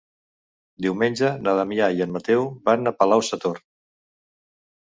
Diumenge na Damià i en Mateu van a Palau-sator.